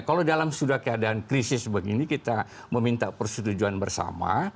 kalau dalam sudah keadaan krisis begini kita meminta persetujuan bersama